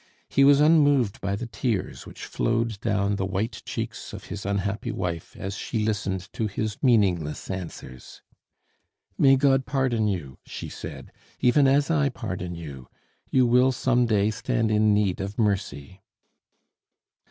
He was unmoved by the tears which flowed down the white cheeks of his unhappy wife as she listened to his meaningless answers. "May God pardon you," she said, "even as I pardon you! You will some day stand in need of mercy."